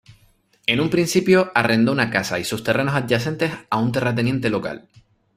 En un principio, arrendó una casa y sus terrenos adyacentes a un terrateniente local.